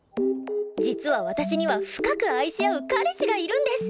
実は私には深く愛し合う彼氏がいるんです！